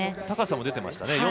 高さも出てましたね。